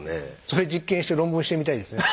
それ実験して論文にしてみたいですね。